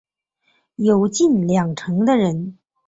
有近两成的人